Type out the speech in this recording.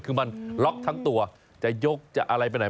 คือมันล็อกทั้งตัวจะยกจะอะไรไปไหน